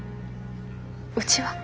うちは？